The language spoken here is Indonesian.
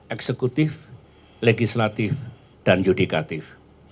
eksekutif legislatif dan yudikatif